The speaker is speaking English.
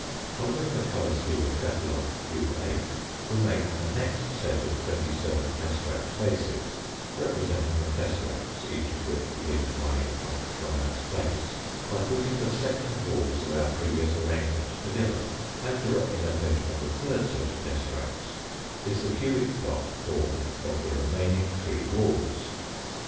Following the colour scheme of catalogue cube 8, APPENDIX I 245 we make the next set of twenty seven tesseract faces, representing the tesseracts, each of which begins one inch off from our space, by putting the second walls of our previous arrangement together, and the representation of the third set of tessaracts is the cubic block formed of the remaining three walls.